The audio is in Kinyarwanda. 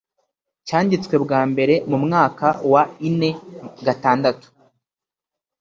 cyanditswe bwa mbere mu mwaka wa ine gatandatu